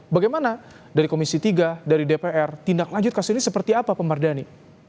bagaimana dari komisi tiga dari dpr tindak lanjut kasus ini seperti apa pak mardhani